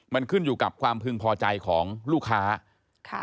มันขึ้นอยู่กับความพึงพอใจของลูกค้าค่ะ